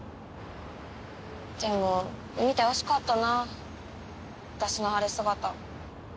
でも見てほしかったな私の晴れ姿。